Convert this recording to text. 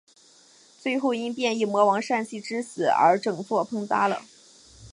最后因变异魔王膻气之死而整座崩塌了。